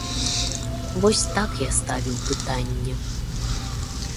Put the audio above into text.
Вось так я ставіў пытанне.